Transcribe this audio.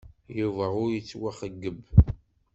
Yuba ur yettwaxeyyeb.